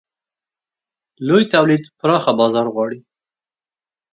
لوی تولید پراخه بازار غواړي.